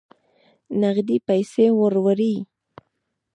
نغدي پیسې وروړي.